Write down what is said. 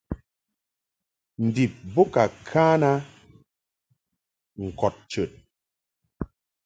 Ndib bo ka kan a ŋkɔd chəd.